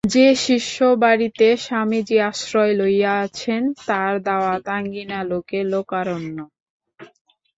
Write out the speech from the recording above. যে শিষ্যবাড়িতে স্বামীজি আশ্রয় লইয়াছেন তার দাওয়া আঙিনা লোকে লোকারণ্য।